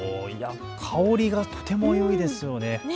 香りがとてもよいですね。